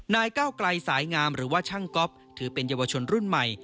ก้าวไกลสายงามหรือว่าช่างก๊อฟถือเป็นเยาวชนรุ่นใหม่